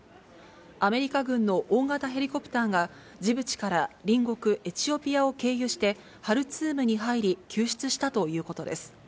アメリカ軍の大型ヘリコプターが、ジブチから隣国エチオピアを経由してハルツームに入り、救出したということです。